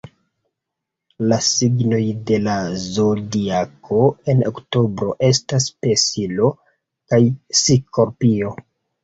La signoj de la Zodiako en oktobro estas Pesilo kaj Skorpio.